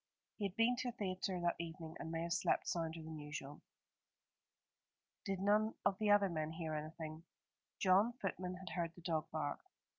He had been to a theatre that evening, and may have slept sounder than usual. "Did none of the other men hear anything?" John, footman, had heard the dog bark.